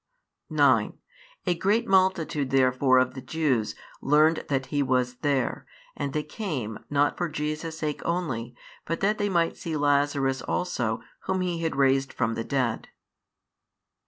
9 A great multitude therefore of the Jews learned that He was there: and they came, not for Jesus' sake only, but that they might see Lazarus also, whom He had raised from the dead.